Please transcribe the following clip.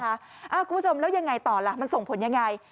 คุณผู้ชมแล้วยังไงต่อล่ะมันส่งผลยังไง